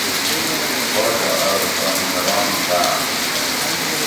باچہ ارو تانی بیان داۤ